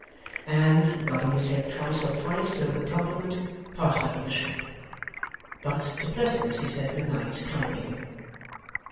and, nodding his head twice or thrice over the compliment, passed out of the shop. But, to Pleasant he said good night kindly.